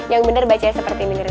yang bener bacanya seperti ini ustazah